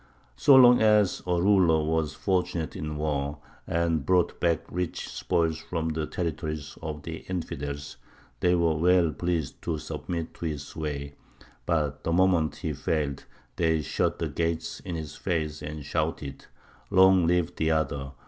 So long as a ruler was fortunate in war, and brought back rich spoils from the territories of the "infidels," they were well pleased to submit to his sway; but the moment he failed, they shut the gates in his face and shouted, Long live the other!